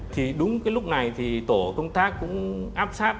thì đúng lúc này tổ công tác cũng áp sát